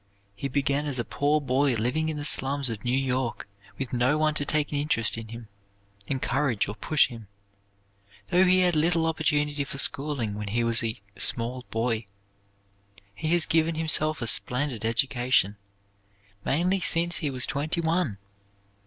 He began as a poor boy living in the slums of New York with no one to take an interest in him, encourage or push him. Though he had little opportunity for schooling when he was a small boy, he has given himself a splendid education, mainly since he was twenty one.